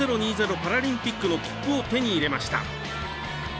パラリンピックの切符を手に入れました。